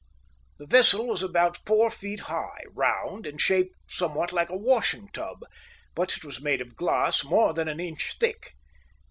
The vessel was about four feet high, round, and shaped somewhat like a washing tub, but it was made of glass more than an inch thick.